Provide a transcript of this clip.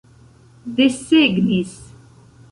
desegnis